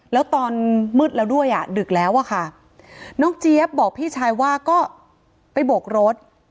แล้วตอนมืดแล้วด้วยอ่ะดึกแล้วอะค่ะน้องเจี๊ยบบอกพี่ชายว่าก็ไปโบกรถ